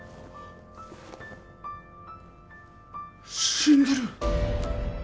死んでる